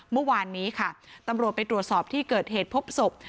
เมื่อวานนี้ค่ะตำรวจไปตรวจสอบที่เกิดเหตุพบศพ